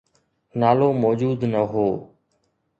نالو موجود نه هو.